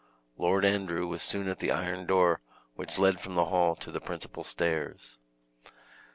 Lord Andrew was soon at the iron door which led from the hall to the principal stairs.